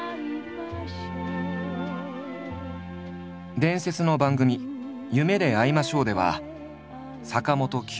伝説の番組「夢であいましょう」では坂本九